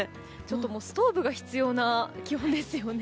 ストーブが必要な気温ですよね。